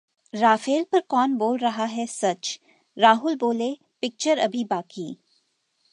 Rafale पर कौन बोल रहा है सच? राहुल बोले- पिक्चर अभी बाकी